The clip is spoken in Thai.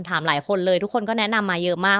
หลายคนเลยทุกคนก็แนะนำมาเยอะมาก